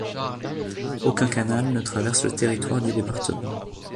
Aucun canal ne traverse le territoire du département.